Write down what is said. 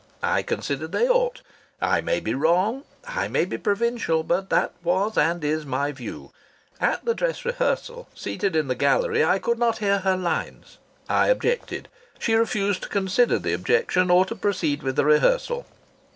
I considered they ought. I may be wrong. I may be provincial. But that was and is my view. At the dress rehearsal, seated in the gallery, I could not hear her lines. I objected. She refused to consider the objection or to proceed with the rehearsal.